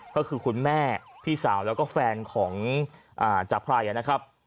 ก็คือคุณแม่พี่สาวแล้วก็แฟนของจากไพรนะครับ